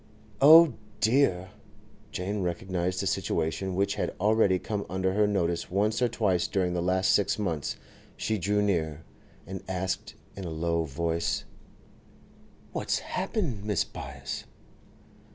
'Oh dear!' Jane recognised a situation which had already come under her notice once or twice during the last six months. She drew near, and asked in a low voice: 'What's happened, Mrs. Byass?